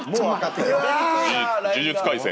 『呪術廻戦』。